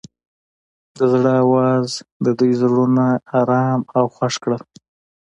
د زړه اواز د دوی زړونه ارامه او خوښ کړل.